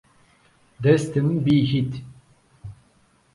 Destê mı biy hit.